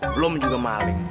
belum juga maling